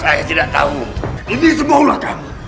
saya tidak tahu ini terbaulah kamu